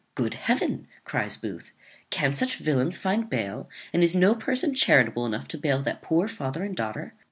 "Good Heaven!" cries Booth, "can such villains find bail, and is no person charitable enough to bail that poor father and daughter?"